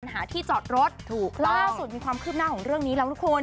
หาที่จอดรถถูกล่าสุดมีความคืบหน้าของเรื่องนี้แล้วนะคุณ